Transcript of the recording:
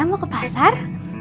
mau ke pasar